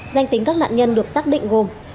danh tính các nạn nhân được xác định gồm